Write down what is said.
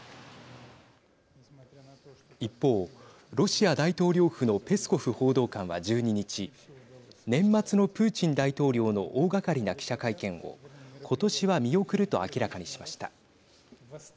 一方、ロシア大統領府のペスコフ報道官は１２日年末のプーチン大統領の大がかりな記者会見を今年は見送ると明らかにしました。